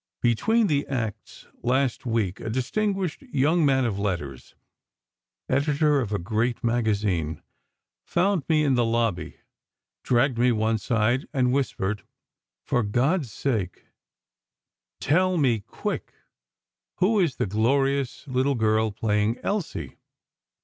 Between the acts, last week, a distinguished young man of letters—editor of a great magazine—found me in the lobby, dragged me one side and whispered "For God's sake, tell me quick, who is the glorious little girl playing Elsie?"